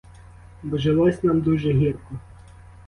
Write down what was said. Бо жилось нам дуже гірко.